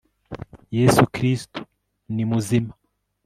yesu kristo ni muzima